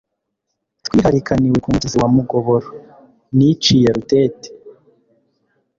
Twiharikaniwe ku mugezi wa Mugoboro.Niciye Rutete